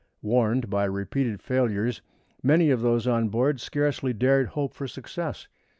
Warned by repeated failures, many of those on board scarcely dared hope for success.